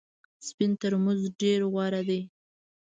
سپین ترموز ډېر غوره دی .